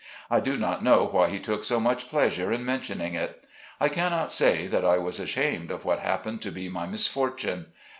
I do not know why he took so much pleasure in mentioning it. I cannot say that I was ashamed of what happened to be my misfortune.